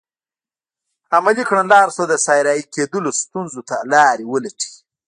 عملي کړنلارو سره د صحرایې کیدلو ستونزو ته حل لارې ولټوي.